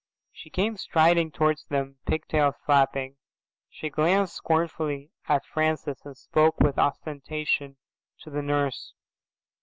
She came striding towards them, pigtails flapping. She glanced scornfully at Francis and spoke with ostentation to the nurse.